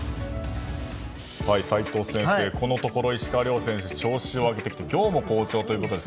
齋藤先生、このところ石川遼選手が調子を上げてきて今日も好調ということで。